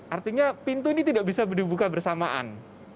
artinya pintu ini tidak bisa dibuka bersamaan